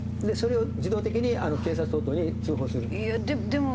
それを自動的に警察等々に通報する？